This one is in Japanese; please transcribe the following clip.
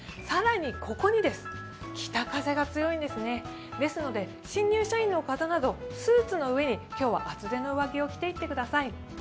更に、ここに北風が強いので、新入社員の方などスーツの上に今日は厚手の上着を着ていってください。